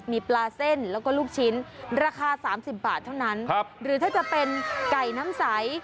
มีปลาเส้นแล้วก็ลูกชิ้นราคา๓๐บาทเท่านั้นหรือถ้าจะเป็นไก่น้ำใส